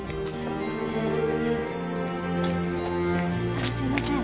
あのすいません